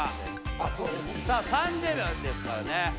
さあ３０秒ですからね。